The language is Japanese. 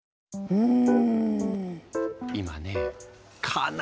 うん。